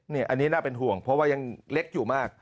อันนี้น่าเป็นห่วงเพราะว่ายังเล็กอยู่มาก